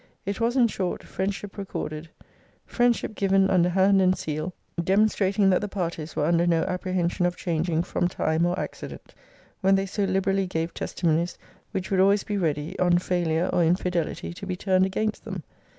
It was, in short, friendship recorded; friendship given under hand and seal; demonstrating that the parties were under no apprehension of changing from time or accident, when they so liberally gave testimonies, which would always be ready, on failure or infidelity, to be turned against them.